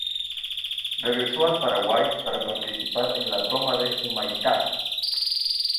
Regresó al Paraguay para participar en la toma de Humaitá.